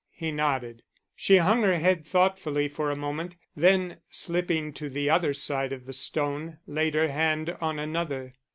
He nodded. She hung her head thoughtfully for a moment, then slipping to the other side of the stone laid her hand on another.